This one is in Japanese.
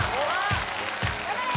・頑張れ！